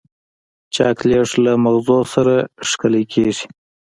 چاکلېټ له مغزونو سره ښکلی کېږي.